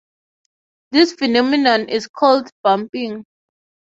This phenomenon is called Bumping.